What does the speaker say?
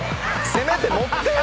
せめて持ってよ！